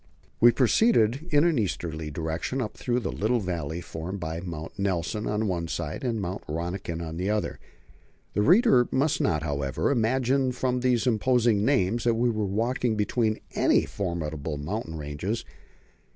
We proceeded in an easterly direction up through a little valley formed by "Mount Nelson" on one side, and "Mount Rönniken" on the other. The reader must not, however, imagine from these imposing names that we were walking between any formidable mountain ranges.